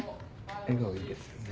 笑顔いいですよね。